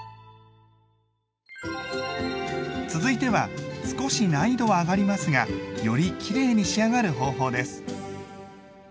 続いては少し難易度は上がりますがよりきれいに仕上がる方法です。